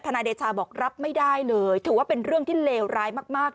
นายเดชาบอกรับไม่ได้เลยถือว่าเป็นเรื่องที่เลวร้ายมาก